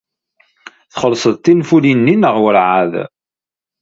Txellṣed tinfulin-nni neɣ werɛad?